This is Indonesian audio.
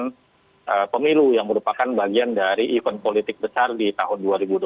dan pemilu yang merupakan bagian dari event politik besar di tahun dua ribu dua puluh empat